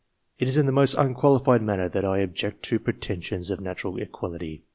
It is in the most unqualified manner that I object to pretensions of natural equality.